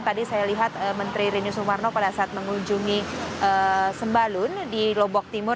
tadi saya lihat menteri rini sumarno pada saat mengunjungi sembalun di lombok timur